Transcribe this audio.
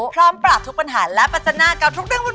พร้อมปราบทุกปัญหาและปัจจนากับทุกเรื่องวุ่น